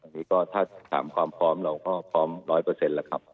นี่ก็ถ้าถามความพร้อมเราก็พร้อมร้อยเปอร์เซ็นต์แล้วครับ